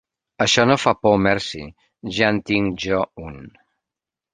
Això no fa por, merci, ja en tinc jo un.